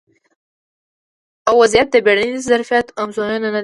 ا وضعیت د بیړني ظرفیت ازموینه نه ده